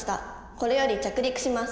これより着陸します」。